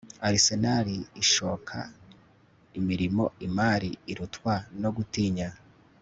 Arsenal ishoka imirimo imari irutwa no gutinya